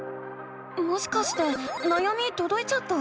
もしかしてなやみとどいちゃった？